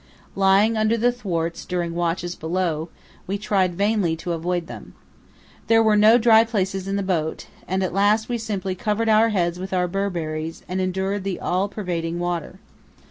Lying under the thwarts during watches below, we tried vainly to avoid them. There were no dry places in the boat, and at last we simply covered our heads with our Burberrys and endured the all pervading water.